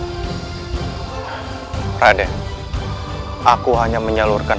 kembalilah kamu ke istana pejajaran